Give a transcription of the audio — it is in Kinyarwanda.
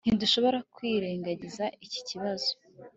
ntidushobora kwirengagiza iki kibazo